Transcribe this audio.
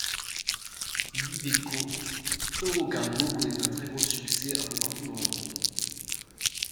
L'Iveco EuroCargo connait un très gros succès un peu partout dans le monde.